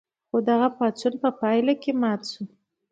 خو دغه پاڅون په پایله کې مات شو.